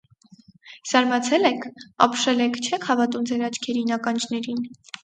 Զարմացե՞լ եք, ապշել եք, չե՞ք հավատում ձեր աչքերին, ականջներին…